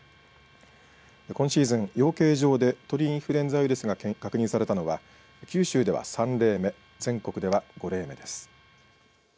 今シーズン、養鶏場で鳥インフルエンザウイルスが確認されたのは九州では３例目全国では５例目です。